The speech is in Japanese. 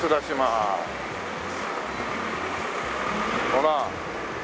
ほら。